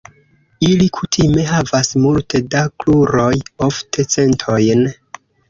Ili kutime havas multe da kruroj, ofte centojn.